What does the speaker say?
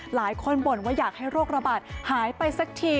บ่นว่าอยากให้โรคระบาดหายไปสักที